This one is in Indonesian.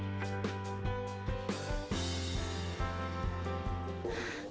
filosofinya itu makanan itu tuh makannya bukan khusus untuk makanan